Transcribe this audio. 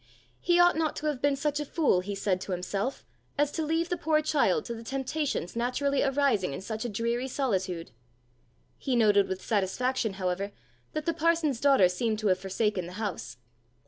He ought not to have been such a fool, he said to himself, as to leave the poor child to the temptations naturally arising in such a dreary solitude! He noted with satisfaction, however, that the parson's daughter seemed to have forsaken the house.